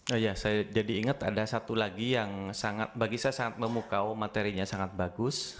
oh iya saya jadi ingat ada satu lagi yang bagi saya sangat memukau materinya sangat bagus